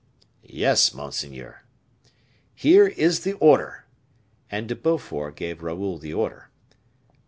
"Yes, monseigneur." "Here is the order." And De Beaufort gave Raoul the order.